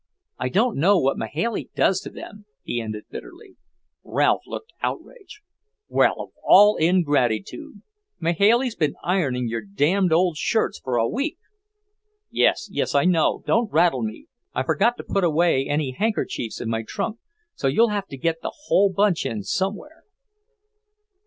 I don't know what Mahailey does to them," he ended bitterly. Ralph looked outraged. "Well, of all ingratitude! Mahailey's been ironing your damned old shirts for a week!" "Yes, yes, I know. Don't rattle me. I forgot to put any handkerchiefs in my trunk, so you'll have to get the whole bunch in somewhere."